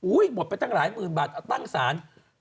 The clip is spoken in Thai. อุ๊ยหมดไปตั้งหลายหมื่นบาทตั้งศาล